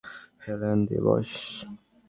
হেলান দিয়ে বস্।